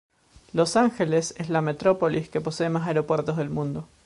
Los Ángeles es la metrópolis que posee más aeropuertos del mundo.